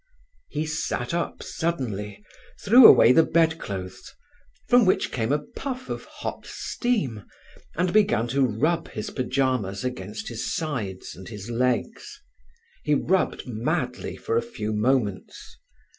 He sat up suddenly, threw away the bedclothes, from which came a puff of hot steam, and began to rub his pyjamas against his sides and his legs. He rubbed madly for a few moments.